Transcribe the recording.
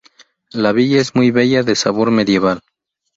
La villa es muy bella de sabor medieval.